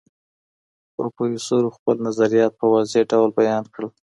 پروفیسرو خپل نظریات په واضح ډول بیان کړل.